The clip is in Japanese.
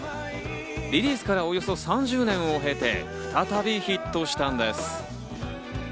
リリースからおよそ３０年を経て、再びヒットしたんです。